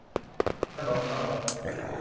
ขนมชะมด